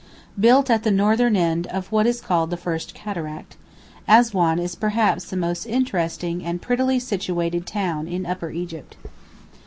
] Built at the northern end of what is called the first cataract, Assuan is perhaps the most interesting and prettily situated town in Upper Egypt.